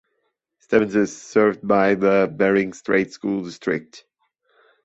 Stebbins is served by the Bering Strait School District.